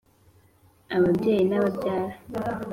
ababyeyi n’ababyara